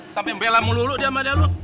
sampai bela melulu lulu dia sama dia lo